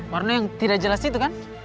warna yang tidak jelas itu kan